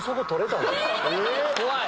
怖い！